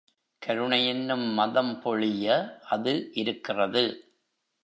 கருணையென்னும் மதம் பொழிய, அது இருக்கிறது.